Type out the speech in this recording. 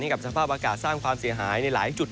กับสภาพอากาศสร้างความเสียหายในหลายจุด